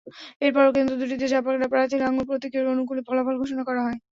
এরপরও কেন্দ্র দুটিতে জাপার প্রার্থীর লাঙ্গল প্রতীকের অনুকূলে ফলাফল ঘোষণা করা হয়।